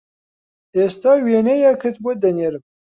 ئێستا وێنەیەکت بۆ دەنێرم